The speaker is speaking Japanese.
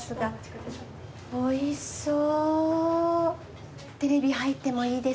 おいしそう。